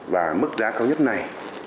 và mức giá cao nhất này